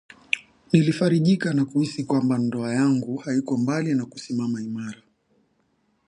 Nilifarijika na kuhisi kwamba ndoa yangu haiko mbali na kusimama imara